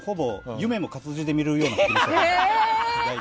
夢も活字で見るような感じですから。